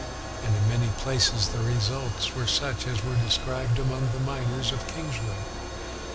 And in many places the results were such as were described among the miners of Kingswood.